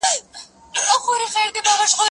ته ولي تکړښت کوې.